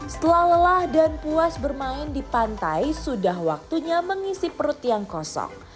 setelah lelah dan puas bermain di pantai sudah waktunya mengisi perut yang kosong